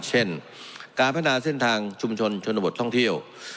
เช่นการพัฒนาเส้นทางชุมชนชนบทท่องเที่ยว